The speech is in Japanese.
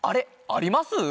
ありますか？